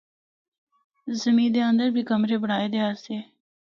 زِمّی دے اندر بھی کمرے بنڑائے دے آسے۔